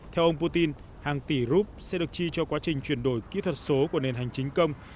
theo ông putin hàng tỷ rút sẽ được chi cho quá trình chuyển đổi kỹ thuật số của nền hành chính công